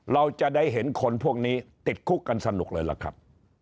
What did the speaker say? เราจะได้เห็นคนพวกนี้ติดคุกกันสนุกเลยล่ะครับ